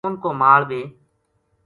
ان کو مال بے